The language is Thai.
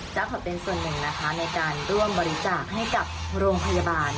ขอเป็นส่วนหนึ่งนะคะในการร่วมบริจาคให้กับโรงพยาบาล